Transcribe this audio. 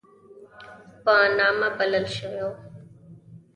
په نامه بلل شوی وو.